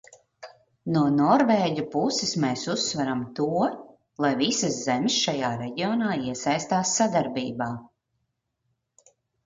No norvēģu puses mēs uzsveram to, lai visas zemes šajā reģionā iesaistās sadarbībā.